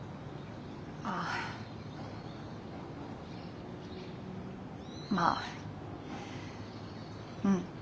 ああまあうん。